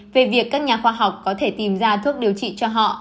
về việc các nhà khoa học có thể tìm ra thuốc điều trị cho họ